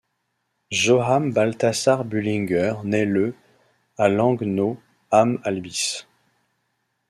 Johann Balthasar Bullinger naît le à Langnau am Albis.